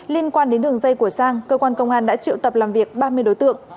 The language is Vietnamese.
liên quan đến đường dây của sang cơ quan công an đã triệu tập làm việc ba mươi đối tượng